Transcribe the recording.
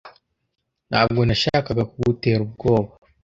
Ntabwo nashakaga kugutera ubwoba.